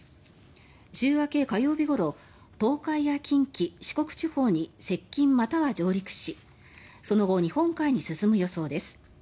週明け火曜日ごろ東海や近畿、四国地方に接近または上陸しその後、日本海に進む予想です。